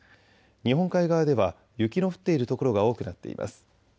日本海側では雪の降っている所が多くなっています。